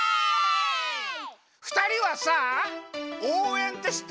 ふたりはさおうえんってしってる？